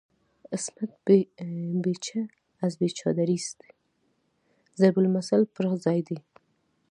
"عصمت بی چه از بی چادریست" ضرب المثل پر ځای دی.